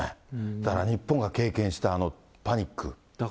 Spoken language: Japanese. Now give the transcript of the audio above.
だから日本が経験したあのパニック。